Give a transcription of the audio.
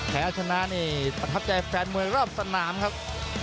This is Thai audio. แพ้ชนะนี่ประทับใจแฟนมวยรอบสนามครับ